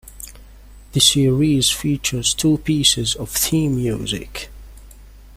The series features two pieces of theme music.